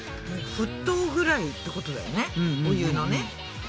沸騰ぐらいってことだよねお湯のね。